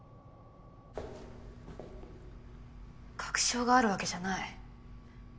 確証があるわけじゃない。